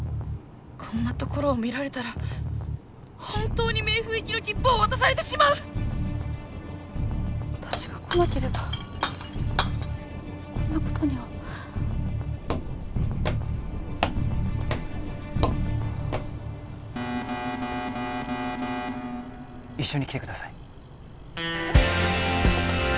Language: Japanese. こんなところを見られたら本当に冥府行きの切符を渡されてしまう私が来なければこんなことには一緒に来てくださいえっ？